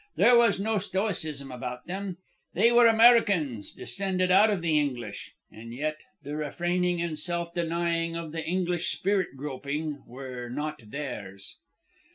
There was no stoicism about them. They were Americans, descended out of the English, and yet the refraining and self denying of the English spirit groping were not theirs.